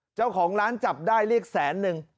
เจ้าของร้านจับได้เรียกแสนนึง